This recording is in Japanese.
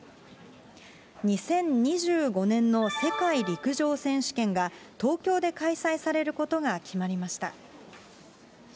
２０２５年の世界陸上選手権が、東京で開催されることが決まりました。